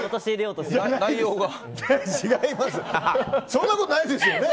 そんなことないですよね。